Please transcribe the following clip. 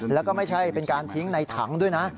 แล้วก็ไม่ใช่เป็นการทิ้งในถังด้วยนะ